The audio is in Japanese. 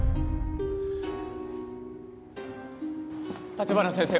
立花先生